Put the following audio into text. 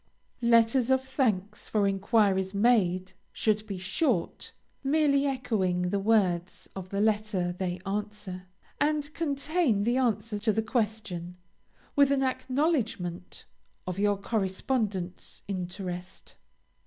LETTERS OF THANKS for enquiries made, should be short, merely echoing the words of the letter they answer, and contain the answer to the question, with an acknowledgement of your correspondent's interest.